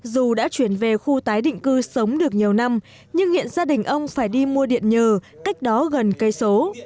dù đã chuyển về khu tái định cư sống được nhiều năm nhưng hiện gia đình ông phải đi mua điện nhờ cách đó gần cây số